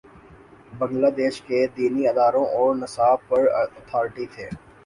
بنگلہ دیش کے دینی اداروں اور نصاب پر اتھارٹی تھے۔